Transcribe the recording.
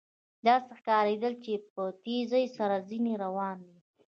داسې ښکارېدل چې په تېزۍ سره ځنې روان یم.